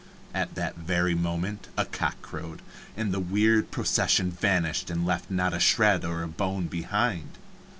At that very moment a cock crowed, and the weird procession vanished and left not a shred or a bone behind.